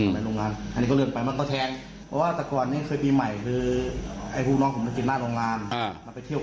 ตัวนายแรงซึ่งเป็นคนเจ็บนี่ตอนปีใหม่นั่งกินราวอยู่ข้างหน้าโรงงานใช่ไหม